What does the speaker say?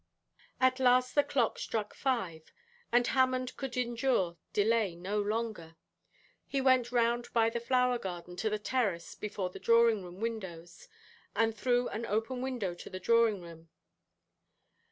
At last the clock struck five, and Hammond could endure delay no longer. He went round by the flower garden to the terrace before the drawing room windows, and through an open window to the drawing room.